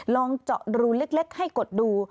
ลองเจาะรูเล็กให้กดดู